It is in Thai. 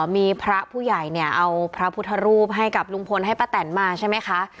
มีพระผู้ใหญ่เนี่ยเอาพระพุทธรูปให้กับลุงพลให้ป้าแตนมาใช่ไหมคะ